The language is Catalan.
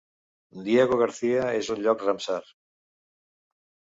Diego Garcia és un lloc Ramsar.